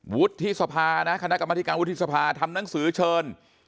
วุฒิสภานะคณะกรรมธิการวุฒิสภาทำหนังสือเชิญ